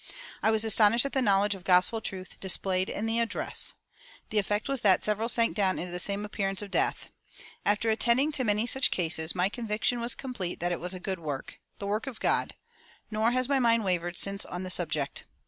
I was astonished at the knowledge of gospel truth displayed in the address. The effect was that several sank down into the same appearance of death. After attending to many such cases, my conviction was complete that it was a good work the work of God; nor has my mind wavered since on the subject.